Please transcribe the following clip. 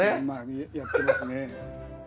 まあやってますね。